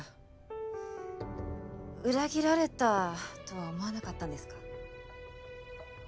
裏切られたとは思わなかったんですか？